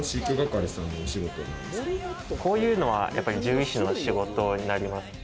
こういうのは獣医師の仕事になります。